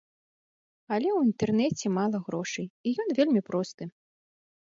Але ў інтэрнэце мала грошай, і ён вельмі просты.